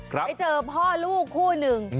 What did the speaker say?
ไปเจอพ่อลูกคู่หนึ่ง